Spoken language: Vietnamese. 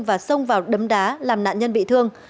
và xông vào đấm đá làm nạn nhân bị thương